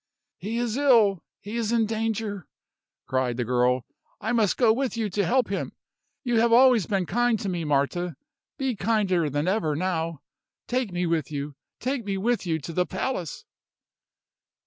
"He is ill he is in danger!" cried the girl. "I must go with you to help him. You have always been kind to me, Marta be kinder than ever now. Take me with you take me with you to the palace!"